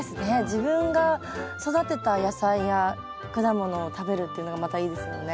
自分が育てた野菜や果物を食べるっていうのがまたいいですもんね。